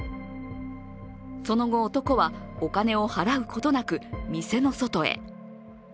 その後、男はお金を払うことなく店の外へ。